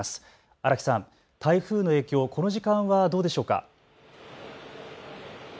荒木さん、台風の影響、この時間はどうでしょうか。